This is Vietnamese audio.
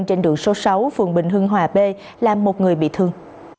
trên đường số sáu phường bình hưng hòa b làm một người bị thương